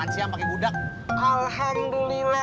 siap pakai budak alhamdulillah